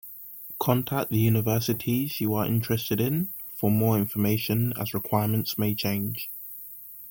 Contact the universities you are interested in for more information as requirements may change.